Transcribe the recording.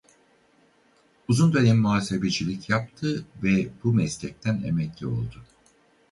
Uzun dönem muhasebecilik yaptı ve bu meslekten emekli oldu.